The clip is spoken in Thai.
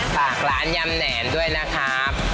ฝากร้านยำแหนมด้วยนะครับ